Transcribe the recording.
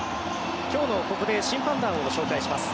今日のここで審判団をご紹介します。